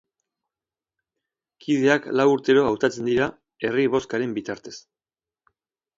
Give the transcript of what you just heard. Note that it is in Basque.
Kideak lau urtero hautatzen dira, herri-bozkaren bitartez.